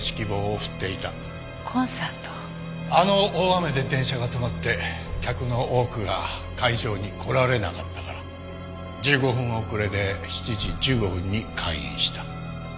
あの大雨で電車が止まって客の多くが会場に来られなかったから１５分遅れで７時１５分に開演した。